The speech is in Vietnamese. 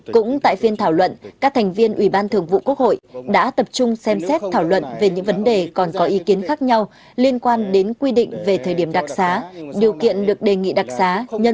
cũng tại phiên thảo luận các thành viên ủy ban thường vụ quốc hội đã tập trung xem xét thảo luận về những vấn đề còn có ý kiến khác nhau liên quan đến quy định về thời điểm đặc xá điều kiện được đề nghị đặc xá